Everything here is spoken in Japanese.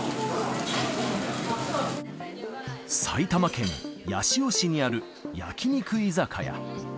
埼玉県八潮市にある焼き肉居酒屋。